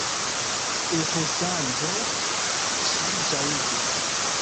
Eĥoŝanĝo ĉiuĵaŭde!